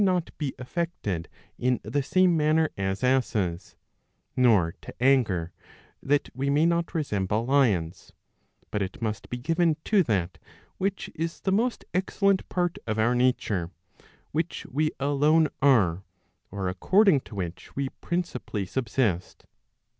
475 not be affected in the same manner as asses; nor to anger, that we may not resemble lions; but it must be giveh to that which is the most excel¬ lent part of our nature, which we alone are, or according to which we principally subsist.